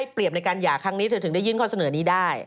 เปรียบในการหย่าครั้งนี้เธอถึงได้ยื่นข้อเสนอนี้ได้